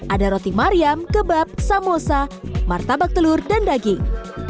ada roti mariam kebab samosa martabak telur dan daging